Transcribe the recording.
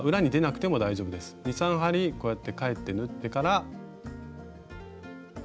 ２３針こうやって返って縫ってから。